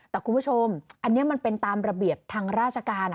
แต่คุณผู้ชมอันนี้มันเป็นตามระเบียบทางราชการ